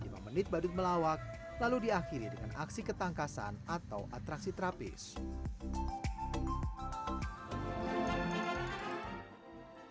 lima menit badut melawak lalu diakhiri dengan aksi ketangkasan atau atraksi terapis